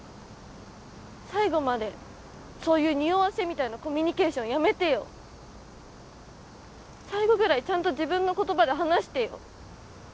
最後までそういう匂わせみたいなコミュニケーションやめてよ最後ぐらいちゃんと自分の言葉で話してよ